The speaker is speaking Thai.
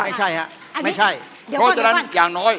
ไม่ใช่ครับเพราะฉะนั้นอย่างน้อย